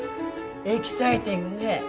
エキサイティングね